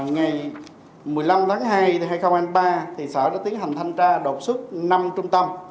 ngày một mươi năm tháng hai sở đã tiến hành thanh tra đột xuất năm trung tâm